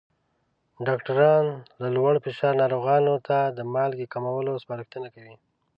ډاکټران له لوړ فشار ناروغانو ته د مالګې کمولو سپارښتنه کوي.